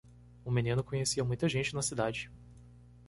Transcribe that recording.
O menino conhecia muita gente na cidade.